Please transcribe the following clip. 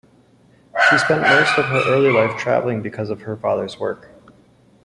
She spent most of her early life travelling because of her father's work.